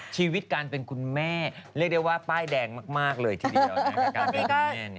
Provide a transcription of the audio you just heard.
ชีวิตการเป็นคุณแม่เรียกได้ว่าป้ายแดงมากเลยทีเดียว